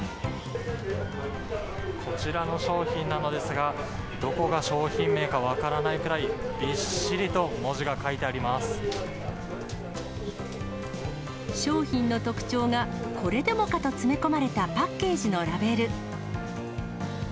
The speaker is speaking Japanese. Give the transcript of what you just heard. こちらの商品なのですが、どこが商品名か分からないくらい、商品の特徴がこれでもかと詰め込まれたパッケージのラベル。